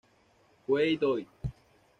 Kohei Doi